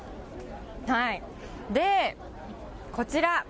で、こちら。